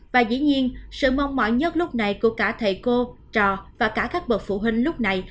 và dĩ nhiên sự mong mỏi nhất lúc này của cả thầy cô trò và cả các bậc phụ huynh lúc này